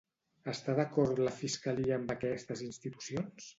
Està d'acord la fiscalia amb aquestes institucions?